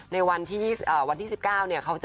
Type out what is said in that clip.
ในวันที่๑๙เนี่ย